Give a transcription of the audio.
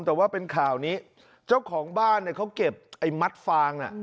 แต่ว่าเป็นข่าวนี้เจ้าของบ้านเนี่ยเขาเก็บไอ้มัดฟางน่ะ